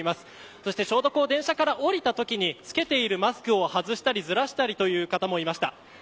そして、ちょうど電車から降りたときに着けているマスクを外したりずらしたりという方もいました。